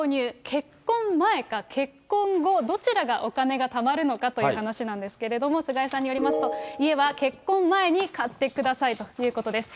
結婚前か結婚後、どちらがお金がたまるのかという話なんですけれども、菅井さんによりますと、家は結婚前に買ってくださいということです。